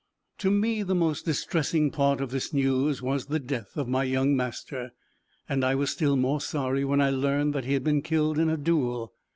To me, the most distressing part of this news was the death of my young master, and I was still more sorry when I learned that he had been killed in a duel.